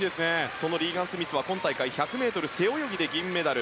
そのリーガン・スミスは今大会、１００ｍ背泳ぎで銀メダル。